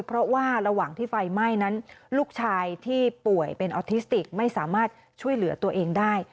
เพราะว่าระหว่างที่ไฟไหม้นั้นลูกชายที่ป่วยเป็นออทิสติกไม่สามารถช่วยเหลือตัวเองได้